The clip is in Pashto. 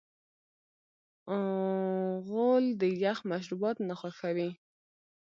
غول د یخ مشروبات نه خوښوي.